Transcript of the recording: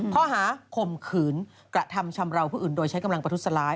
ข้อหาข่มขืนกระทำชำราวผู้อื่นโดยใช้กำลังประทุษร้าย